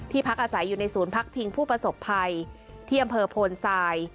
พักอาศัยอยู่ในศูนย์พักพิงผู้ประสบภัยที่อำเภอโพนทราย